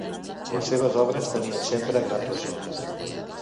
Les seves obres tenien sempre gran ressò.